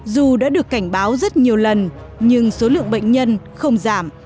dù đã được cảnh báo rất nhiều lần nhưng số lượng bệnh nhân không giảm